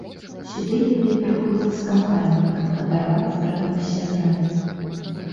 Сюды лепей прыходзіць з кампаніяй, каб адарвацца разам з сябрамі.